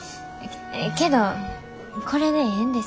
けどこれでええんです。